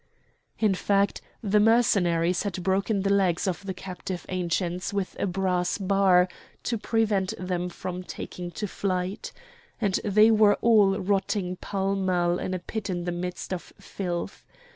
In fact, the Mercenaries had broken the legs of the captive Ancients with a brass bar to prevent them from taking to flight; and they were all rotting pell mell in a pit in the midst of filth.